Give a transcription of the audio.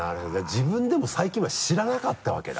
自分でも最近まで知らなかったわけだ？